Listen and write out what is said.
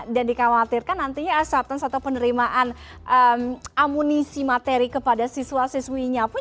dan dikhawatirkan nantinya asap atau penerimaan amunisi materi kepada siswa siswinya pun